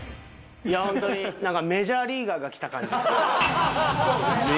ホントにメジャーリーガーが来た感じですね。